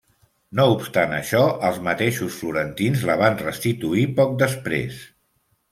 No obstant això, els mateixos florentins la van restituir poc després.